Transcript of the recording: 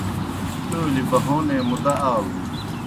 ڈولیْ بہونے مُدا آلُن۔